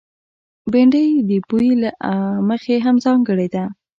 بېنډۍ د بوي له مخې هم ځانګړې ده